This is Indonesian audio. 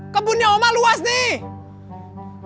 kebunnya omak luas nih